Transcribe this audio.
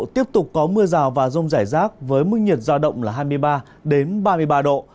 tiếp tục có mưa rào và rông rải rác với mức nhiệt giao động là hai mươi ba ba mươi ba độ